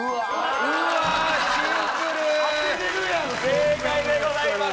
正解でございます。